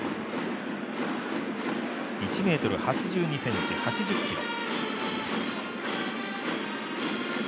１ｍ８２ｃｍ、８０ｋｇ。